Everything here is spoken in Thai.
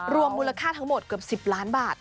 รวมมูลค่าทั้งหมดเกือบ๑๐ล้านบาท